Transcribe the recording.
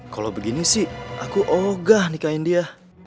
kalau begini sih aku ogah nikahin dia